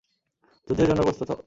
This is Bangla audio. যুদ্ধের জন্য প্রস্তুত হও!